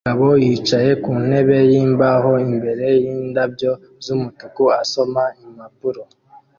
Umugabo yicaye ku ntebe yimbaho imbere yindabyo zumutuku asoma impapuro